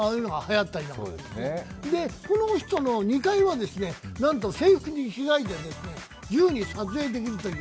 この人の２階は、なんと制服に着替えて自由に撮影できるという。